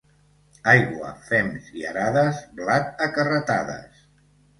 Aigua, fems i arades, blat a carretades.